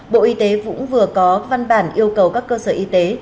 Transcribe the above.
bộ y tế cũng vừa có văn bản yêu cầu các cơ sở y tế